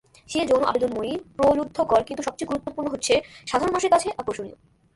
সে যৌন আবেদনময়ী, প্রলুব্ধকর, কিন্তু সবচেয়ে গুরুত্বপূর্ণ হচ্ছে সাধারণ মানুষের কাছে 'আকর্ষণীয়'।